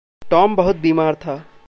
Tom बहुत बीमार था।